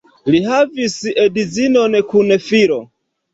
Li havis edzinon kun filo.